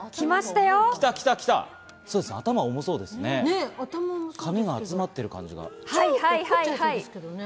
頭が重そうですね、紙が集まっている感じ。